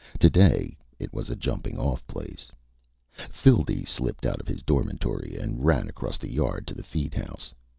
Today it was a jumping off place. Phildee slipped out of his dormitory and ran across the yard to the feed house.